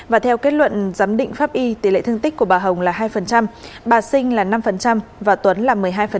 và theo kết luận giám định pháp y tỷ lệ thương tích của bà hồng là hai bà sinh là năm và tuấn là một mươi hai